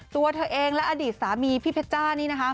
ตัวเธอเองและอดีตสามีพี่เพชรจ้านี่นะคะ